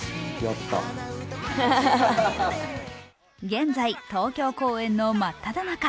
現在、東京公演の真っただ中。